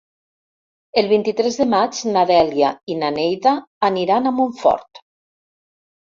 El vint-i-tres de maig na Dèlia i na Neida aniran a Montfort.